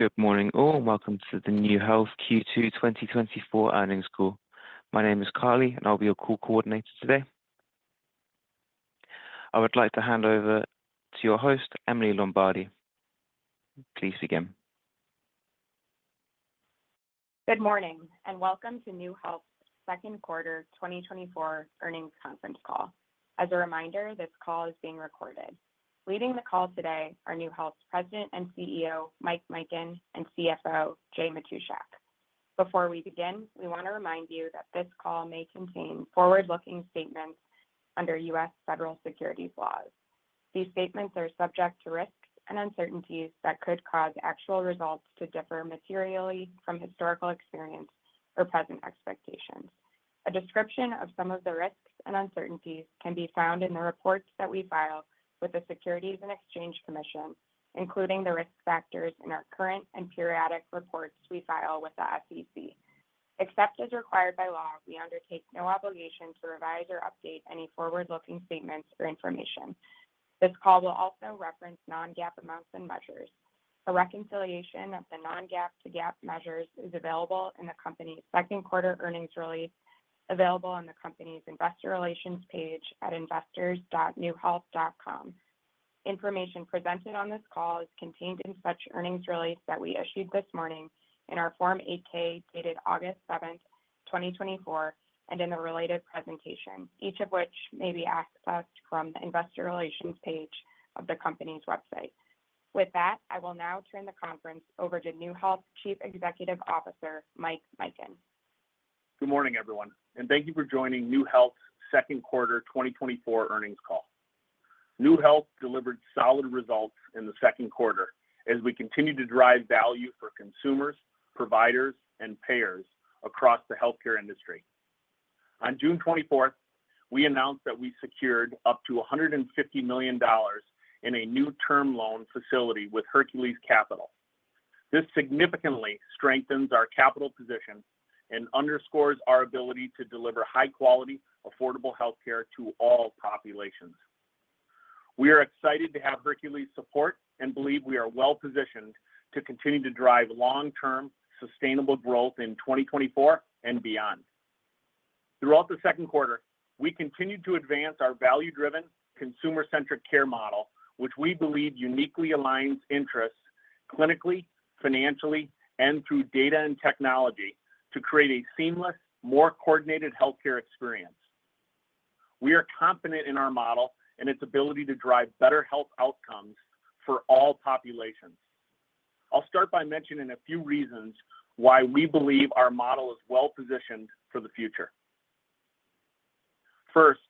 Good morning, all, and welcome to the NeueHealth Q2 2024 Earnings Call. My name is Carly, and I'll be your call coordinator today. I would like to hand over to your host, Emily Lombardi. Please begin. Good morning, and welcome to NeueHealth's second quarter 2024 earnings conference call. As a reminder, this call is being recorded. Leading the call today are NeueHealth's President and CEO, Mike Mikan, and CFO, Jay Matushak. Before we begin, we want to remind you that this call may contain forward-looking statements under U.S. federal securities laws. These statements are subject to risks and uncertainties that could cause actual results to differ materially from historical experience or present expectations. A description of some of the risks and uncertainties can be found in the reports that we file with the Securities and Exchange Commission, including the risk factors in our current and periodic reports we file with the SEC. Except as required by law, we undertake no obligation to revise or update any forward-looking statements or information. This call will also reference non-GAAP amounts and measures. A reconciliation of the non-GAAP to GAAP measures is available in the company's second quarter earnings release, available on the company's investor relations page at investors.neuehealth.com. Information presented on this call is contained in such earnings release that we issued this morning in our Form 8-K, dated August seventh, 2024, and in the related presentation, each of which may be accessed from the investor relations page of the company's website. With that, I will now turn the conference over to NeueHealth Chief Executive Officer, Mike Mikan. Good morning, everyone, and thank you for joining NeueHealth's second quarter 2024 earnings call. NeueHealth delivered solid results in the second quarter as we continue to drive value for consumers, providers, and payers across the healthcare industry. On June 24, we announced that we secured up to $150 million in a new term loan facility with Hercules Capital. This significantly strengthens our capital position and underscores our ability to deliver high-quality, affordable healthcare to all populations. We are excited to have Hercules' support and believe we are well-positioned to continue to drive long-term, sustainable growth in 2024 and beyond. Throughout the second quarter, we continued to advance our value-driven, consumer-centric care model, which we believe uniquely aligns interests clinically, financially, and through data and technology to create a seamless, more coordinated healthcare experience. We are confident in our model and its ability to drive better health outcomes for all populations. I'll start by mentioning a few reasons why we believe our model is well-positioned for the future. First,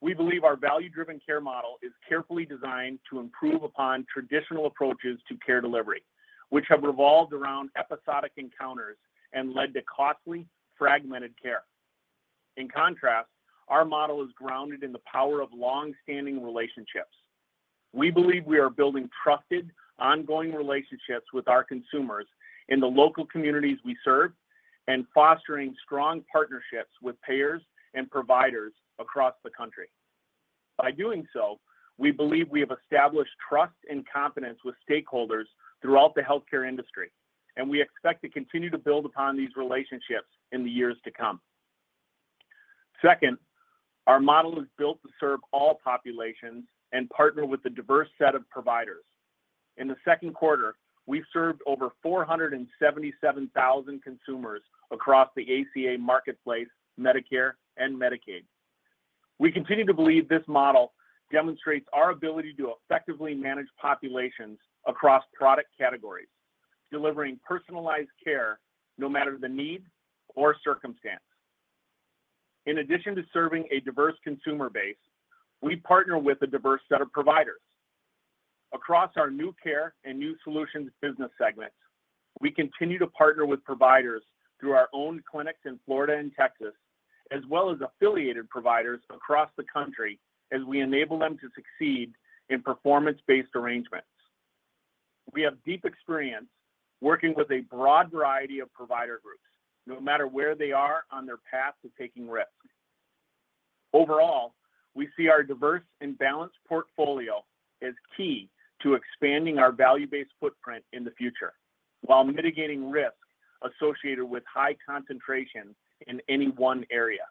we believe our value-driven care model is carefully designed to improve upon traditional approaches to care delivery, which have revolved around episodic encounters and led to costly, fragmented care. In contrast, our model is grounded in the power of long-standing relationships. We believe we are building trusted, ongoing relationships with our consumers in the local communities we serve, and fostering strong partnerships with payers and providers across the country. By doing so, we believe we have established trust and confidence with stakeholders throughout the healthcare industry, and we expect to continue to build upon these relationships in the years to come. Second, our model is built to serve all populations and partner with a diverse set of providers. In the second quarter, we served over 477,000 consumers across the ACA marketplace, Medicare and Medicaid. We continue to believe this model demonstrates our ability to effectively manage populations across product categories, delivering personalized care no matter the need or circumstance. In addition to serving a diverse consumer base, we partner with a diverse set of providers. Across our NeueCare and NeueSolutions business segments, we continue to partner with providers through our own clinics in Florida and Texas, as well as affiliated providers across the country, as we enable them to succeed in performance-based arrangements. We have deep experience working with a broad variety of provider groups, no matter where they are on their path to taking risk. Overall, we see our diverse and balanced portfolio as key to expanding our value-based footprint in the future, while mitigating risk associated with high concentration in any one area.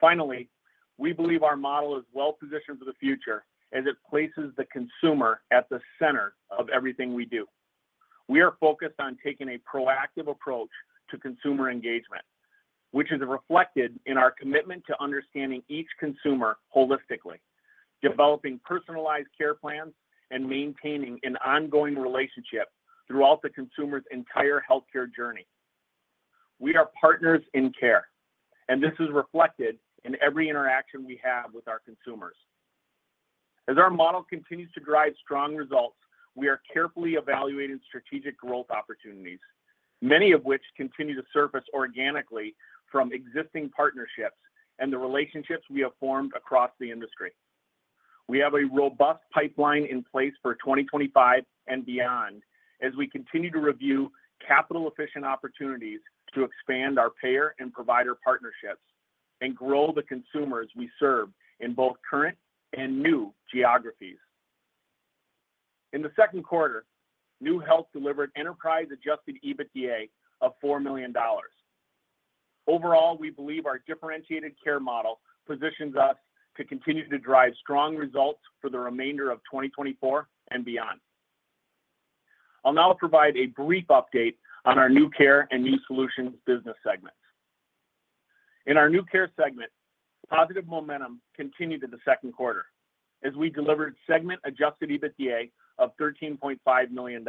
Finally, we believe our model is well-positioned for the future as it places the consumer at the center of everything we do. We are focused on taking a proactive approach to consumer engagement, which is reflected in our commitment to understanding each consumer holistically, developing personalized care plans, and maintaining an ongoing relationship throughout the consumer's entire healthcare journey. We are partners in care, and this is reflected in every interaction we have with our consumers. As our model continues to drive strong results, we are carefully evaluating strategic growth opportunities, many of which continue to surface organically from existing partnerships and the relationships we have formed across the industry. We have a robust pipeline in place for 2025 and beyond as we continue to review capital-efficient opportunities to expand our payer and provider partnerships... and grow the consumers we serve in both current and new geographies. In the second quarter, NeueHealth delivered enterprise Adjusted EBITDA of $4 million. Overall, we believe our differentiated care model positions us to continue to drive strong results for the remainder of 2024 and beyond. I'll now provide a brief update on our NeueCare and NeueSolutions business segments. In our NeueCare segment, positive momentum continued in the second quarter, as we delivered segment Adjusted EBITDA of $13.5 million.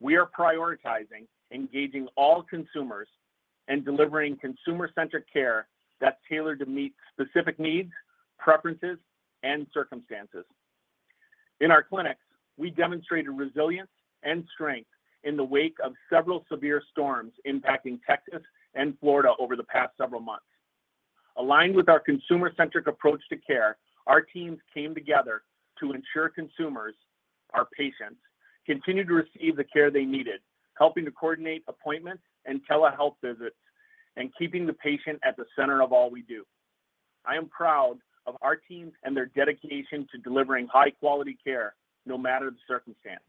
We are prioritizing, engaging all consumers, and delivering consumer-centric care that's tailored to meet specific needs, preferences, and circumstances. In our clinics, we demonstrated resilience and strength in the wake of several severe storms impacting Texas and Florida over the past several months. Aligned with our consumer-centric approach to care, our teams came together to ensure consumers, our patients, continued to receive the care they needed, helping to coordinate appointments and telehealth visits, and keeping the patient at the center of all we do. I am proud of our teams and their dedication to delivering high-quality care, no matter the circumstance.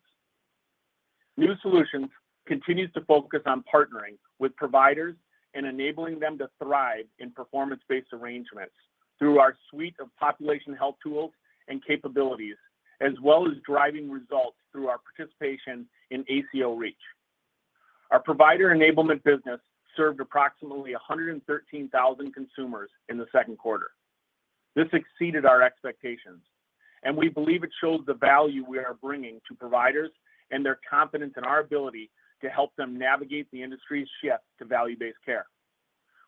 NeueSolutions continues to focus on partnering with providers and enabling them to thrive in performance-based arrangements through our suite of population health tools and capabilities, as well as driving results through our participation in ACO REACH. Our provider enablement business served approximately 113,000 consumers in the second quarter. This exceeded our expectations, and we believe it shows the value we are bringing to providers and their confidence in our ability to help them navigate the industry's shift to value-based care.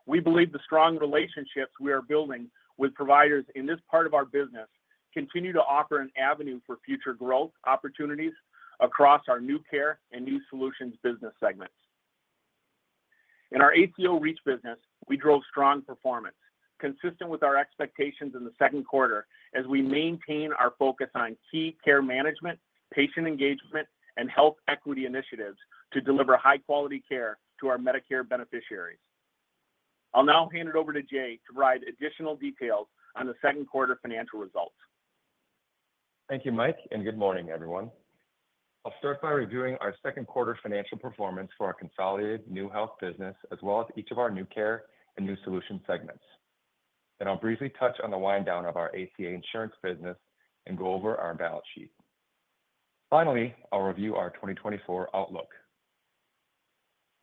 We believe the strong relationships we are building with providers in this part of our business continue to offer an avenue for future growth opportunities across our NeueCare and NeueSolutions business segments. In our ACO REACH business, we drove strong performance, consistent with our expectations in the second quarter, as we maintain our focus on key care management, patient engagement, and health equity initiatives to deliver high-quality care to our Medicare beneficiaries. I'll now hand it over to Jay to provide additional details on the second quarter financial results. Thank you, Mike, and good morning, everyone. I'll start by reviewing our second quarter financial performance for our consolidated NeueHealth business, as well as each of our NeueCare and NeueSolutions segments. Then I'll briefly touch on the wind down of our ACA insurance business and go over our balance sheet. Finally, I'll review our 2024 outlook.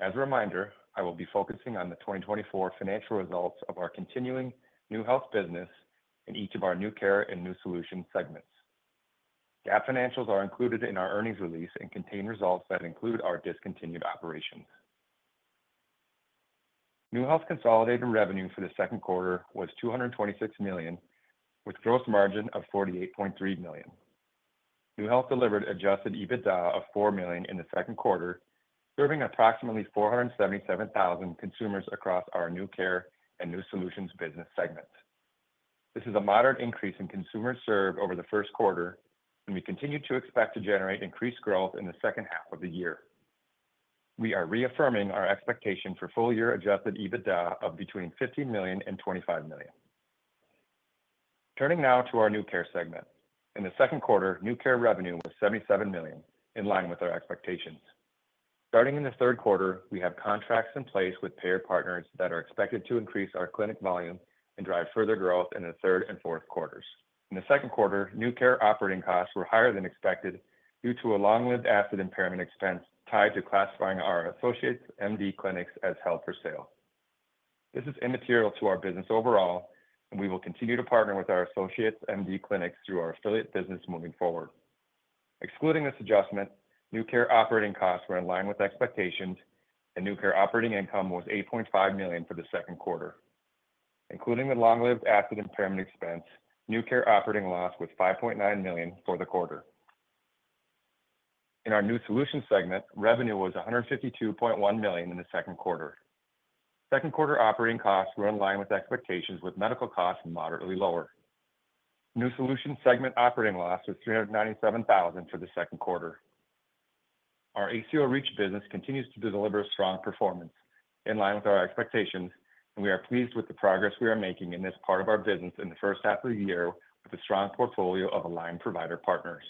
As a reminder, I will be focusing on the 2024 financial results of our continuing NeueHealth business in each of our NeueCare and NeueSolutions segments. GAAP financials are included in our earnings release and contain results that include our discontinued operations. NeueHealth consolidated revenue for the second quarter was $226 million, with gross margin of $48.3 million. NeueHealth delivered Adjusted EBITDA of $4 million in the second quarter, serving approximately 477,000 consumers across our NeueCare and NeueSolutions business segments. This is a moderate increase in consumers served over the first quarter, and we continue to expect to generate increased growth in the second half of the year. We are reaffirming our expectation for full-year Adjusted EBITDA of between $15 million and $25 million. Turning now to our NeueCare segment. In the second quarter, NeueCare revenue was $77 million, in line with our expectations. Starting in the third quarter, we have contracts in place with payer partners that are expected to increase our clinic volume and drive further growth in the third and fourth quarters. In the second quarter, NeueCare operating costs were higher than expected due to a long-lived asset impairment expense tied to classifying our AssociatesMD clinics as held for sale. This is immaterial to our business overall, and we will continue to partner with our AssociatesMD clinics through our affiliate business moving forward. Excluding this adjustment, NeueCare operating costs were in line with expectations, and NeueCare operating income was $8.5 million for the second quarter. Including the long-lived asset impairment expense, NeueCare operating loss was $5.9 million for the quarter. In our NeueSolutions segment, revenue was $152.1 million in the second quarter. Second quarter operating costs were in line with expectations, with medical costs moderately lower. NeueSolutions segment operating loss was $397,000 for the second quarter. Our ACO REACH business continues to deliver a strong performance in line with our expectations, and we are pleased with the progress we are making in this part of our business in the first half of the year, with a strong portfolio of aligned provider partners.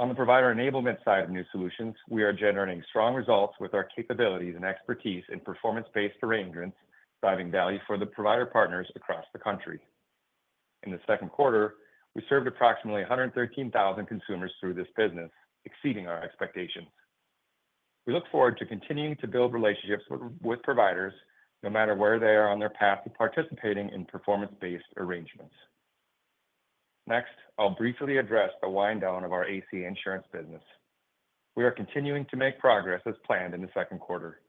On the provider enablement side of NeueSolutions, we are generating strong results with our capabilities and expertise in performance-based arrangements, driving value for the provider partners across the country. In the second quarter, we served approximately 113,000 consumers through this business, exceeding our expectations. We look forward to continuing to build relationships with providers, no matter where they are on their path to participating in performance-based arrangements. Next, I'll briefly address the wind down of our ACA insurance business. We are continuing to make progress as planned in the second quarter.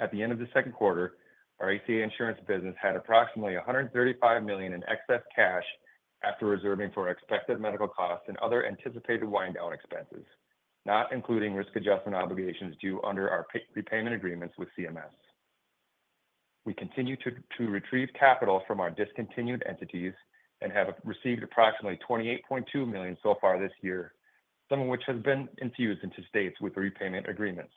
At the end of the second quarter, our ACA insurance business had approximately $135 million in excess cash after reserving for expected medical costs and other anticipated wind-down expenses, not including risk adjustment obligations due under our prepayment agreements with CMS. We continue to retrieve capital from our discontinued entities and have received approximately $28.2 million so far this year. Some of which has been infused into states with repayment agreements.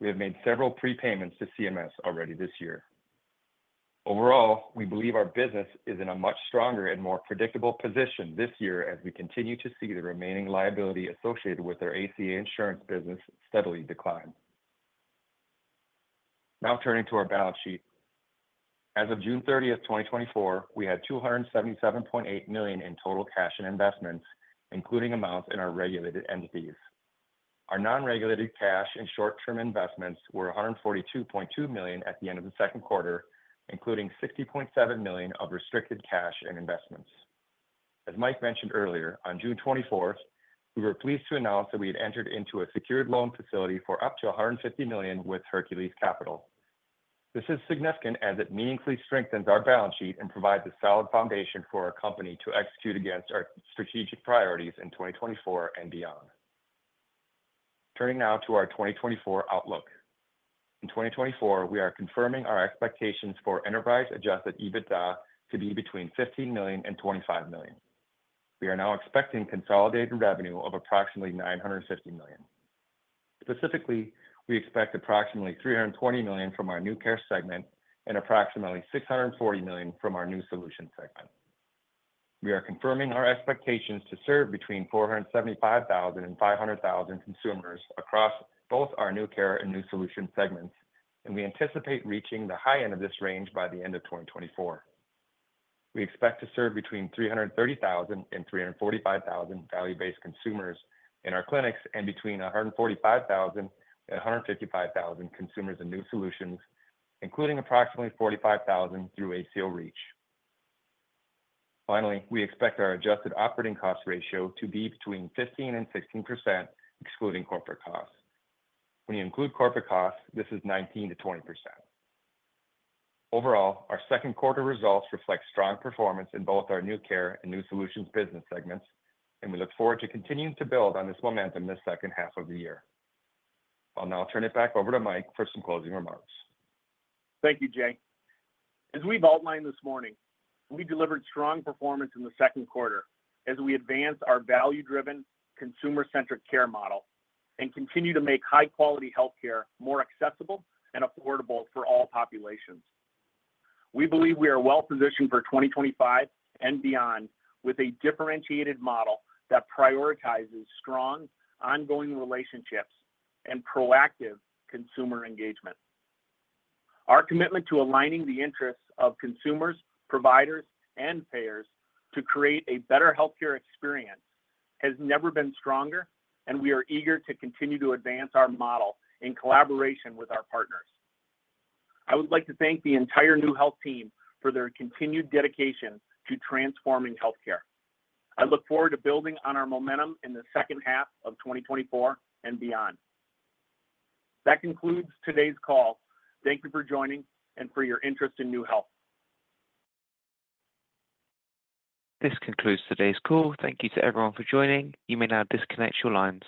We have made several prepayments to CMS already this year. Overall, we believe our business is in a much stronger and more predictable position this year as we continue to see the remaining liability associated with our ACA insurance business steadily decline. Now turning to our balance sheet. As of June 30, 2024, we had $277.8 million in total cash and investments, including amounts in our regulated entities. Our non-regulated cash and short-term investments were $142.2 million at the end of the second quarter, including $60.7 million of restricted cash and investments. As Mike mentioned earlier, on June 24, we were pleased to announce that we had entered into a secured loan facility for up to $150 million with Hercules Capital. This is significant as it meaningfully strengthens our balance sheet and provides a solid foundation for our company to execute against our strategic priorities in 2024 and beyond. Turning now to our 2024 outlook. In 2024, we are confirming our expectations for enterprise-Adjusted EBITDA to be between $15 million and $25 million. We are now expecting consolidated revenue of approximately $950 million. Specifically, we expect approximately $320 million from our NeueCare segment and approximately $640 million from our NeueSolutions segment. We are confirming our expectations to serve between 475,000 and 500,000 consumers across both our NeueCare and NeueSolutions segments, and we anticipate reaching the high end of this range by the end of 2024. We expect to serve between 330,000 and 345,000 value-based consumers in our clinics and between 145,000 and 155,000 consumers in NeueSolutions, including approximately 45,000 through ACO REACH. Finally, we expect our adjusted operating cost ratio to be between 15% and 16%, excluding corporate costs. When you include corporate costs, this is 19%-20%. Overall, our second quarter results reflect strong performance in both our NeueCare and NeueSolutions business segments, and we look forward to continuing to build on this momentum this second half of the year. I'll now turn it back over to Mike for some closing remarks. Thank you, Jay. As we've outlined this morning, we delivered strong performance in the second quarter as we advanced our value-driven, consumer-centric care model and continue to make high-quality healthcare more accessible and affordable for all populations. We believe we are well positioned for 2025 and beyond, with a differentiated model that prioritizes strong, ongoing relationships and proactive consumer engagement. Our commitment to aligning the interests of consumers, providers, and payers to create a better healthcare experience has never been stronger, and we are eager to continue to advance our model in collaboration with our partners. I would like to thank the entire NeueHealth team for their continued dedication to transforming healthcare. I look forward to building on our momentum in the second half of 2024 and beyond. That concludes today's call. Thank you for joining and for your interest in NeueHealth. This concludes today's call. Thank you to everyone for joining. You may now disconnect your lines.